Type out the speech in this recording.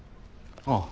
ああ。